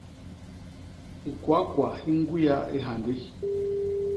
Hikwakwa hi ñgwiya i hyandi.